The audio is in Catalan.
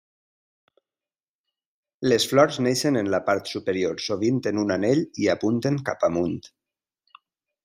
Les flors neixen en la part superior, sovint en un anell i apunten cap amunt.